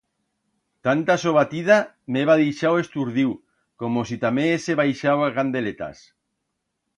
Tanta sobatida m'heba dixau esturdiu, como si tamé hese baixau a candeletas.